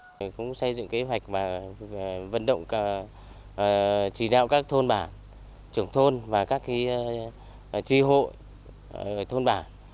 chúng tôi cũng xây dựng kế hoạch và vận động chỉ đạo các thôn bà trưởng thôn và các tri hộ thôn bà